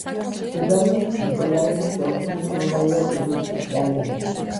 მდებარეობს ნიკოლაევის ოლქის ნოვაია-ოდესის რაიონში.